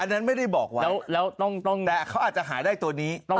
อันนั้นไม่ได้บอกว่าเขาอาจจะหาได้ตัวนี้